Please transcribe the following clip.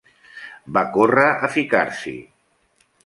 Va córrer a ficar-s'hi.